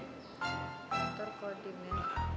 kantor kodim ya